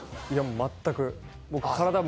全く。